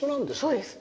そうです。